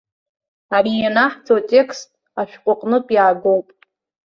Ара ианаҳҵо атекст ашәҟәы аҟнытә иаагоуп.